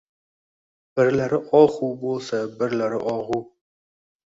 Birlari ohu bo‘lsa, birlari og‘u